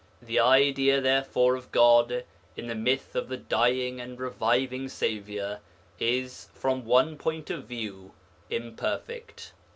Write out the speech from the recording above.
The idea therefore of God, in the myth of the Dying and Reviving Saviour, is, from one point of view, imperfect.